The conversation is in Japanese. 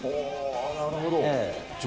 なるほど。